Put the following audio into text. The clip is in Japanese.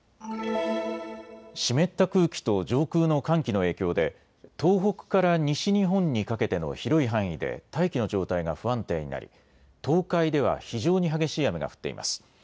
湿った空気と上空の寒気の影響で東北から西日本にかけての広い範囲で大気の状態が不安定になり東海では非常に激しい雨が降っています。